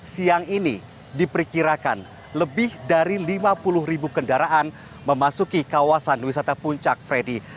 siang ini diperkirakan lebih dari lima puluh ribu kendaraan memasuki kawasan wisata puncak freddy